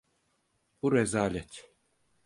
Bu rezalet.